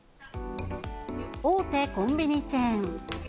大手コンビニチェーン。